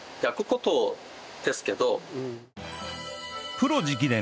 プロ直伝！